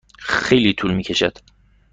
خیلی طول می کشد.